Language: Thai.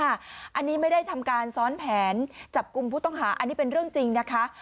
อันนี้ไม่ได้ทำการซ้อนแผนจับกลุ่มผู้ต้องหาอันนี้เป็นเรื่องจริงนะคะ